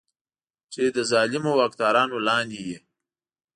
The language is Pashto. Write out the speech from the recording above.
چې د ظالمو واکدارانو لاندې وي.